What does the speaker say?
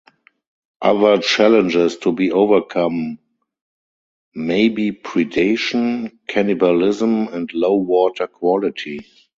Other challenges to be overcome may be predation, cannibalism, and low water quality.